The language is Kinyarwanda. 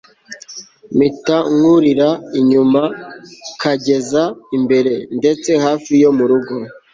mpitankurira inyuma kangeza imbere, ndetse hafi yo murugo